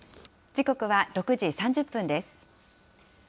時刻は６時３０分です。